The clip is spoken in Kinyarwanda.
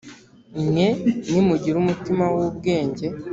mwe nimugire umutima w ubwenge